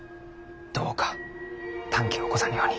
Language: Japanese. どうか短気を起こさぬように。